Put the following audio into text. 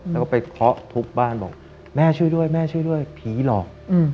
แล้วก็ไปเคาะทุกบ้านบอกแม่ช่วยด้วยผีหลอก